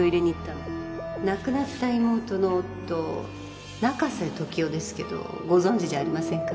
緒方：亡くなった妹の夫中瀬時雄ですけどご存じじゃありませんか？